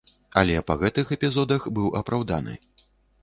Але па гэтых эпізодах быў апраўданы.